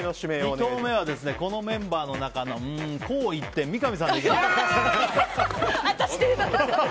２投目はこのメンバーの中の紅一点三上さんで。